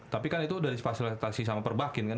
tapi kan itu udah disfasilitasi sama perbahkin kan